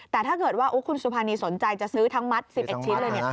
แต่ถ้าเกิดว่าคุณสุภานีสนใจจะซื้อทั้งมัด๑๑ชิ้นเลย